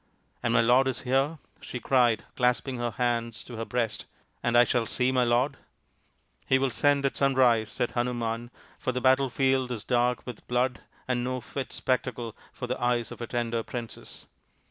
" And my lord is here ?" she cried, clasping her hands to her breast, " and I shall see my lord ?"" He will send at sunrise," said Hanuman, " for the battlefield is dark with blood and no fit spectacle for the eyes of a tender princess."